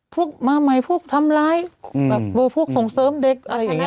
พวกมาใหม่พวกทำร้ายแบบพวกส่งเสริมเด็กอะไรอย่างนี้